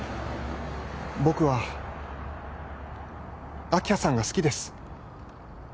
僕は明葉さんが好きです